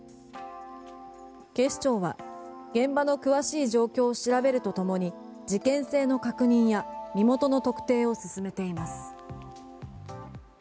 警視庁は現場の詳しい状況を調べるとともに事件性の確認や身元の特定を進めています。